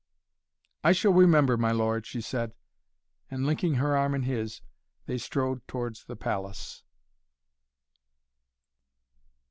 "I shall remember, my lord," she said, and, linking her arm in his, they strode towards the palace.